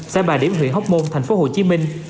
xã bà điểm huyện hóc môn thành phố hồ chí minh